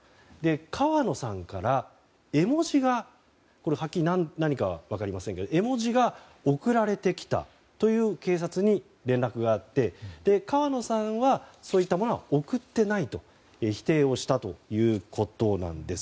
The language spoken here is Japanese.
川野さんから何かは分かりませんが絵文字が送られてきたと警察に連絡があって川野さんは、そういったものは送っていないと否定をしたということです。